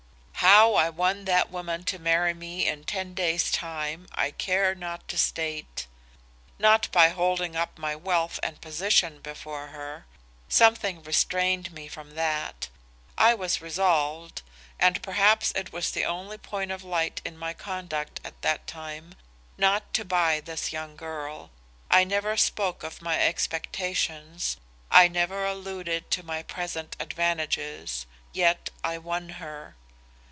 "How I won that woman to marry me in ten days time I care not to state. Not by holding up my wealth and position before her. Something restrained me from that. I was resolved, and perhaps it was the only point of light in my conduct at that time, not to buy this young girl. I never spoke of my expectations, I never alluded to my present advantages yet I won her.